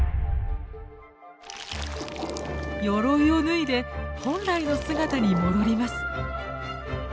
よろいを脱いで本来の姿に戻ります。